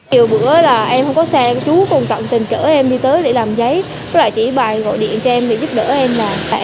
nhiều bữa là em không có xe chú còn tận tình chở em đi tới để làm giấy có lại chỉ bài gọi điện cho em để giúp đỡ em làm